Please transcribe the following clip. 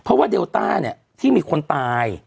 เพราะว่าเดลต้าเนี่ยที่มีคนตาย